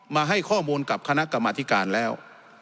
มาให้ข้อมูลกับคณะกรรมธิการแล้ว